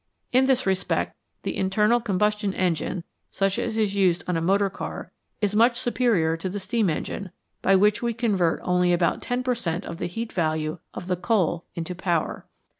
In this respect the internal combustion engine, such as is used on a motor car, is much superior to the steam engine, by which we convert only about 10 per cent, of the heat value of the coal into power.